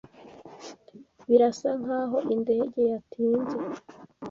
Birasa nkaho indege yatinze.